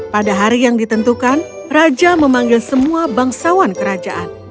pada hari yang ditentukan raja memanggil semua bangsawan kerajaan